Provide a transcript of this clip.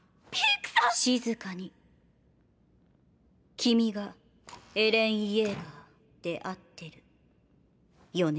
君がエレン・イェーガーで合ってるよね？